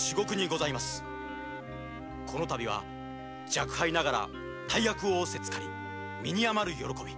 若輩ながら大役をおおせつかり身に余る喜び。